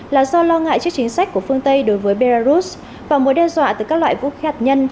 là do lo ngại trước chính sách của phương tây đối với belarus và mối đe dọa từ các loại vũ khí hạt nhân